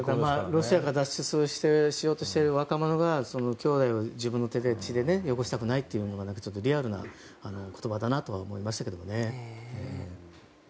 ロシアから脱出しようとしている若者が自分の手を血で汚したくないというのはリアルな言葉だなと思いましたけど。